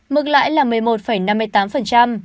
mức lãi là một mươi một năm mươi tám